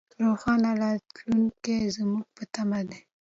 روښانه راتلونکی زموږ په تمه دی.